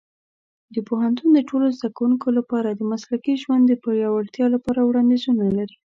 پوهنتون د ټولو زده کوونکو لپاره د مسلکي ژوند د پیاوړتیا لپاره وړاندیزونه لري.